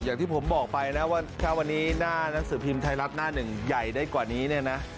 อย่างที่ผมบอกไปนะว่าถ้าวันนี้หน้านังสือพิมพ์ไทยรัฐหน้าหนึ่งใหญ่ได้กว่านี้เนี่ยนะ